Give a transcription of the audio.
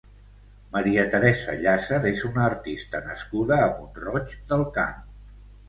Mª Teresa Llàcer és una artista nascuda a Mont-roig del Camp.